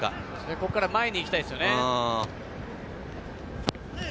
ここから前に行きたいですよね。